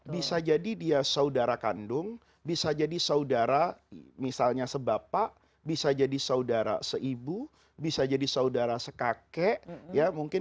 bisa jadi dia saudara kandung bisa jadi saudara misalnya sebapak bisa jadi saudara seibu bisa jadi saudara sekakek